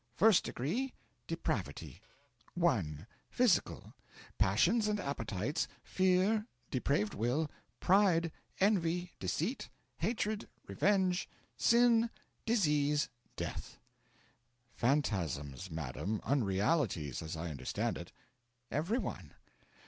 FIRST DEGREE: Depravity. 1. Physical Passions and appetites, fear, depraved will, pride, envy, deceit, hatred, revenge, sin, disease, death.' 'Phantasms, madam unrealities, as I understand it.' 'Every one.